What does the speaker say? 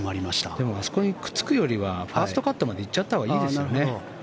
でもあそこにくっつくよりはファーストカットまで行っちゃったほうがいいですよね。